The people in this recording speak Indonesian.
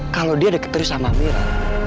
kalo dia deket terus sama amira